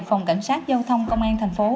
phòng cảnh sát giao thông công an thành phố